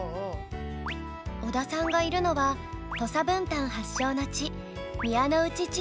小田さんがいるのは土佐文旦発祥の地宮ノ内地区。